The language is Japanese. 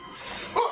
あっ！